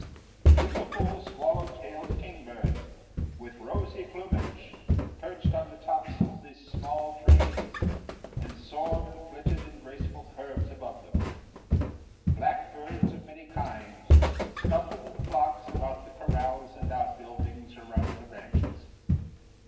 Beautiful swallow tailed king birds with rosy plumage perched on the tops of the small trees, and soared and flitted in graceful curves above them. Blackbirds of many kinds scuttled in flocks about the corrals and outbuildings around the ranches.